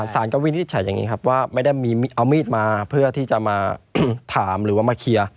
สารก็วินิจฉัยอย่างนี้ครับว่าไม่ได้เอามีดมาเพื่อที่จะมาถามหรือว่ามาเคลียร์